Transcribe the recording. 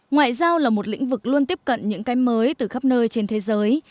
ngoại giao là một lĩnh vực luôn tiếp cận những cái mới từ khắp nơi trên thế giới